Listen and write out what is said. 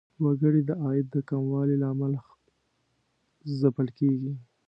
وګړي د عاید د کموالي له امله ځپل کیږي.